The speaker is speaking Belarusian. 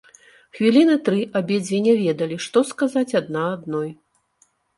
Хвіліны тры абедзве не ведалі, што сказаць адна адной.